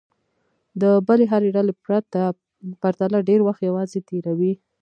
د بلې هرې ډلې پرتله ډېر وخت یوازې تېروي.